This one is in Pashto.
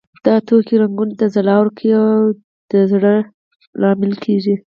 دا توکي رنګونو ته ځلا ورکوي او د زرو لامل کیږي.